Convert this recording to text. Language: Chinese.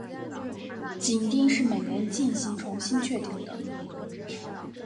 紧盯是每年进行重新确定的。